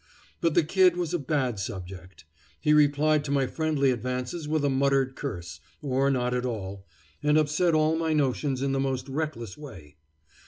But the Kid was a bad subject. He replied to my friendly advances with a muttered curse, or not at all, and upset all my notions in the most reckless way.